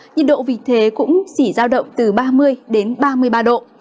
nhiệt độ vì thế cũng chỉ giao động từ ba mươi đến ba mươi ba độ